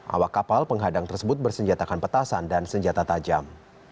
awak kapal penghadang tersebut bersenjatakan petasan dan senjata tajam